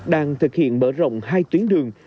đang thực hiện mở rộng hai tuyến đường